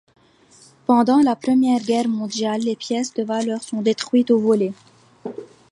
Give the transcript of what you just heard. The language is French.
Pendant la Première Guerre mondiale, des pièces de valeurs sont détruites ou volées.